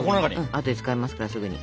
あとで使いますからすぐに。